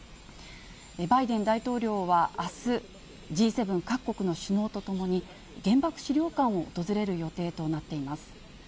バイデン大統領はあす、Ｇ７各国の首脳と共に、原爆資料館を訪れる予定となっています。